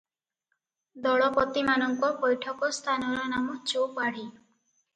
ଦଳପତିମାନଙ୍କ ବୈଠକ ସ୍ଥାନର ନାମ ଚୌପାଢ଼ୀ ।